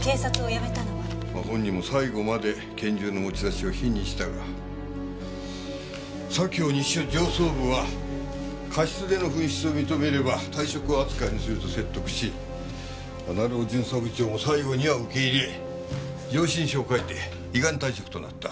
まあ本人も最後まで拳銃の持ち出しを否認したが左京西署上層部は過失での紛失を認めれば退職扱いにすると説得し成尾巡査部長も最後には受け入れ上申書を書いて依願退職となった。